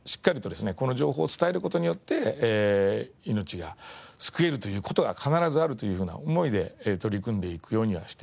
この情報を伝える事によって命が救えるという事が必ずあるというふうな思いで取り組んでいくようにはしています。